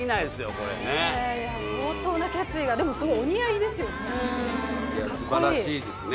これね相当な決意がでもすごいいや素晴らしいですね